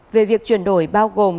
về việc chuyển đổi bao gồm